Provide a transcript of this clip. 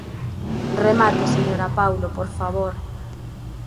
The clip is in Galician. Remate, señora Paulo, por favor.